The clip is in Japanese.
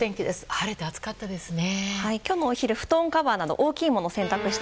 晴れて暑かったですね。